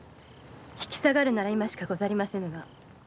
引き下がるなら今しかございませぬが。